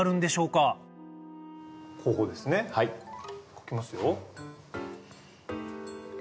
書きますよ。